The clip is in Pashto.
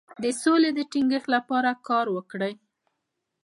د سولې د ټینګښت لپاره کار وکړئ.